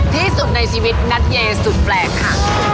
ที่สุดในชีวิตนัทเยสุดแปลกค่ะ